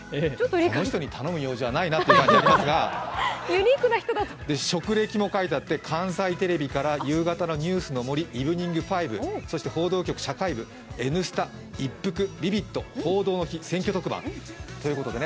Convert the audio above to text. この人に頼む用事はないなって感じがありますが、職歴も書いあって関西テレビから夕方のニュースの盛り、「イブニングファイブ」、報道局、社会部、「Ｎスタ」、「いっぷく」、「ビビット」「報道の日」、選挙特番ということで。